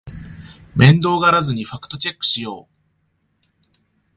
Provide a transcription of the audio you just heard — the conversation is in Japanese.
面倒がらずにファクトチェックしよう